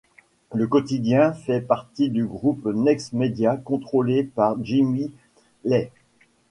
Le quotidien fait partie du groupe Next Media contrôlé par Jimmy Lai.